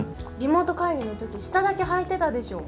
リモート会議の時下だけはいてたでしょ。